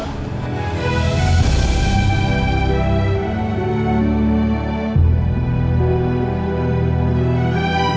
aku mau berhenti